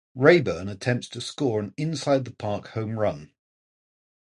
Rayburn attempts to score an inside-the-park home run.